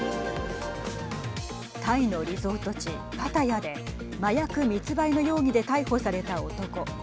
タイのリゾート地パタヤで麻薬密売の容疑で逮捕された男。